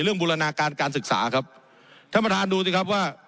บูรณาการการศึกษาครับท่านประธานดูสิครับว่า